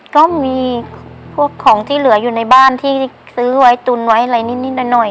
ก็มีพวกของที่เหลืออยู่ในบ้านที่ซื้อไว้ตุนไว้อะไรนิดหน่อย